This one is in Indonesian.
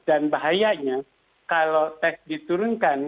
dan bahayanya kalau tes diturunkan